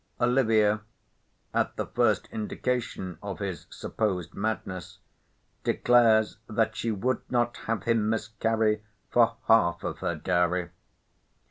Olivia, at the first indication of his supposed madness, declares that she "would not have him miscarry for half of her dowry."